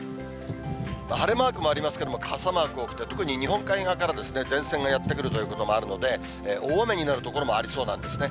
晴れマークもありますけれども、傘マーク多くて、特に日本海側から前線がやって来るということもあるので、大雨になる所もありそうなんですね。